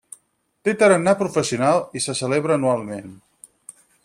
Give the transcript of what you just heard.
Té tarannà professional i se celebra anualment.